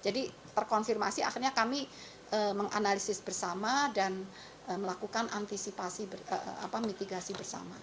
jadi terkonfirmasi akhirnya kami menganalisis bersama dan melakukan antisipasi mitigasi bersama